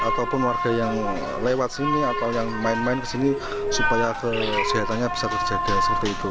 ataupun warga yang lewat sini atau yang main main ke sini supaya kesehatannya bisa terjaga seperti itu